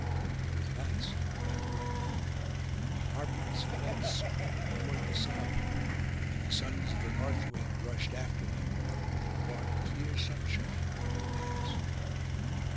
But at last the battle ended, and the Harpies fled screaming toward the south, and the sons of the North wind rushed after them, and brought clear sunshine where they passed.